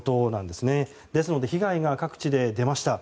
ですので被害が各地で出ました。